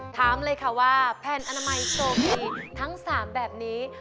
ถามเลยค่ะว่าแผ่นอนามัยโซพีทั้ง๓แบบนี้